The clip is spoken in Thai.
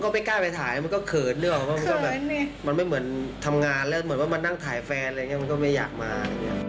มานั่งถ่ายแฟนมันก็ไม่อยากมา